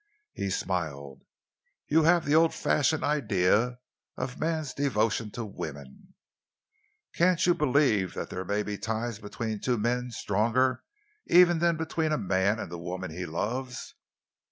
He smiled. "You have the old fashioned idea of man's devotion to woman. Can't you believe that there may be ties between two men stronger even than between a man and the woman he loves?"